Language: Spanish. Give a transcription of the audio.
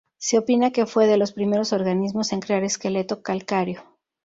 Se opina que fue de los primeros organismos en crear esqueleto calcáreo.